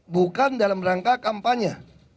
bukan dalam rangka kampanye